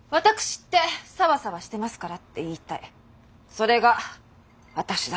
それが私だ！